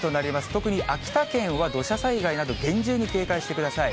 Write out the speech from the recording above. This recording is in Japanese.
特に秋田県は土砂災害など、厳重に警戒してください。